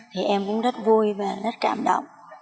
thì em cũng rất vui và rất cảm động